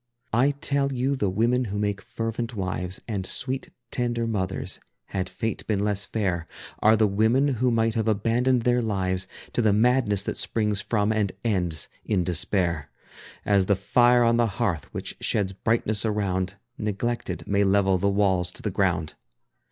I tell you the women who make fervent wives And sweet tender mothers, had Fate been less fair, Are the women who might have abandoned their lives To the madness that springs from and ends in despair. As the fire on the hearth which sheds brightness around, Neglected, may level the walls to the ground.